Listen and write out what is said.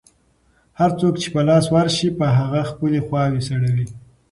هر څوک چې په لاس ورشي، په هغه خپلې خواوې سړوي.